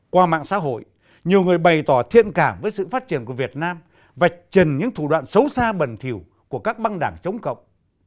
qua mạng xã hội nhiều người bày tỏ thiện cảm với sự phát triển của việt nam và trần những thủ đoạn xấu xa bẩn thiểu của các băng đảng chống cộng